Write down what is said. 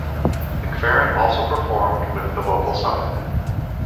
McFerrin also performed with the Vocal Summit.